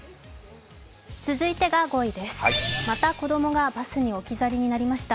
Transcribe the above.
続いてが５位ですまた、子供がバスに置き去りになりました。